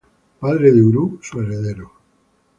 Padre de Uru, su heredero.